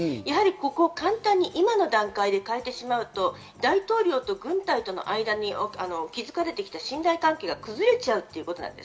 ここ、簡単に今の段階で変えてしまうと、大統領と軍隊との間に亀裂が出てきたり信頼関係が崩れちゃうということ。